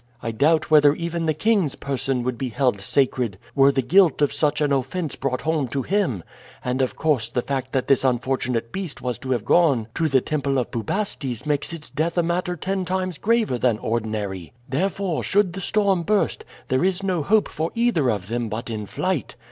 I doubt whether even the king's person would be held sacred were the guilt of such an offense brought home to him; and, of course, the fact that this unfortunate beast was to have gone to the temple of Bubastes makes its death a matter ten times graver than ordinary. Therefore should the storm burst, there is no hope for either of them but in flight.